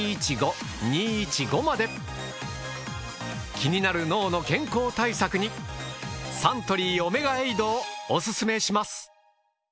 気になる脳の健康対策にサントリーオメガエイドをオススメします。